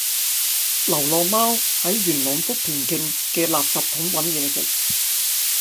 流浪貓喺元朗福田徑嘅垃圾桶搵野食